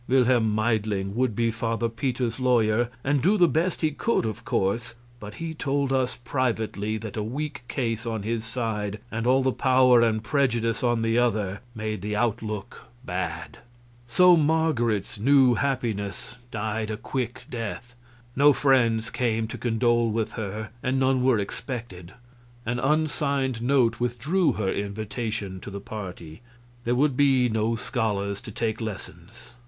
Wilhelm Meidling would be Father Peter's lawyer and do the best he could, of course, but he told us privately that a weak case on his side and all the power and prejudice on the other made the outlook bad. So Marget's new happiness died a quick death. No friends came to condole with her, and none were expected; an unsigned note withdrew her invitation to the party. There would be no scholars to take lessons.